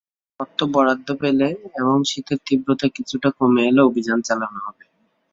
অর্থ বরাদ্দ পেলে এবং শীতের তীব্রতা কিছুটা কমে এলে অভিযান চালানো হবে।